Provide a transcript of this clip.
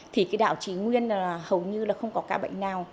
thì cái đạo trí nguyên là hầu như là không có ca bệnh nào